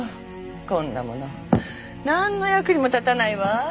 こんなものなんの役にも立たないわ。